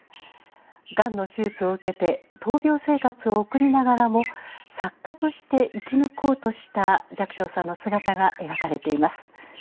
がんの手術を受けて闘病生活を送りながらも作家として生き抜こうとした寂聴さんの姿が描かれています。